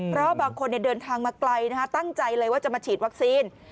เพราะบางคนเดินทางมาไกลตั้งใจเลยว่าจะมาฉีดวัคซีน